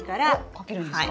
かけるんですか？